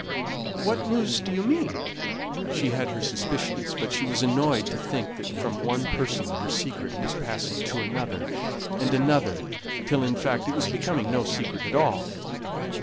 "What news do you mean?" She had her suspicions; but she was annoyed to think that from one person her secret was passing to another and another, till, in fact, it was becoming no secret at all.